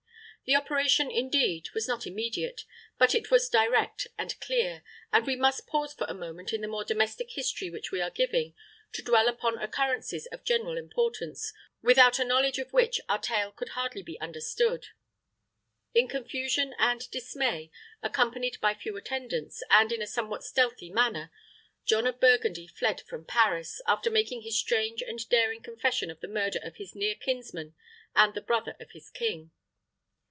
The operation, indeed, was not immediate; but it was direct and clear; and we must pause for a moment in the more domestic history which we are giving, to dwell upon occurrences of general importance, without a knowledge of which our tale could hardly be understood. In confusion and dismay, accompanied by few attendants, and in a somewhat stealthy manner, John of Burgundy fled from Paris, after making his strange and daring confession of the murder of his near kinsman, and the brother of his king.